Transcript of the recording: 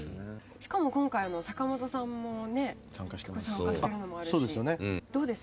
しかも今回坂本さんもね参加してるのもあるし。